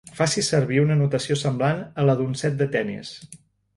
Facis servir una notació semblant a la d'un set de tennis.